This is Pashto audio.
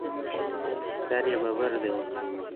سر یې ببر دی.